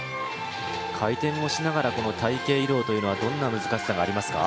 回転をしながら隊形移動というのはどんな難しさがありますか？